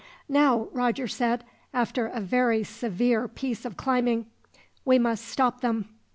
"Now," Roger said, after a very severe piece of climbing, "we must stop them."